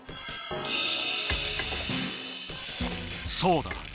そうだ。